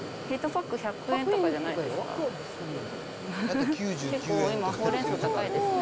１パック１００円とかじゃないですか？